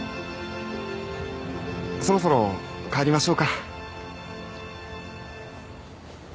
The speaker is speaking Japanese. そろそろ帰りましょうか。